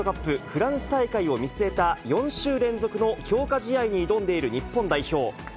フランス大会を見据えた、４週連続の強化試合に挑んでいる日本代表。